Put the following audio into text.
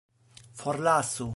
forlasu